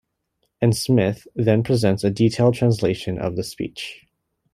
And Smith then presents a detailed translation of the speech.